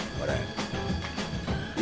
・え